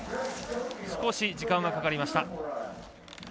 少し時間はかかりました。